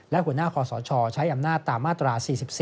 และหัวหน้าคอสชใช้อำนาจตามมาตรา๔๔